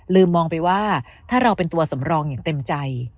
มองไปว่าถ้าเราเป็นตัวสำรองอย่างเต็มใจ